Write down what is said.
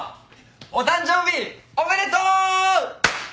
お誕生日おめでとう！